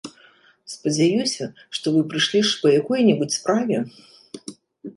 Спадзяюся, што вы прыйшлі ж па якой-небудзь справе?